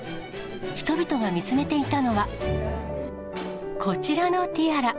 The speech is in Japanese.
人々が見つめていたのは、こちらのティアラ。